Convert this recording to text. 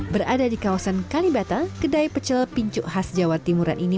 berada di kawasan kalibata kedai pecel pincuk khas jawa timuran ini